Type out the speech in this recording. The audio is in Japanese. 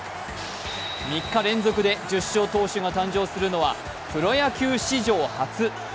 ３日連続で１０勝投手が誕生するのはプロ野球史上初。